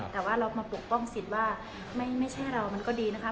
แต่ว่าเรามาปกป้องสิทธิ์ว่าไม่ใช่เรามันก็ดีนะคะ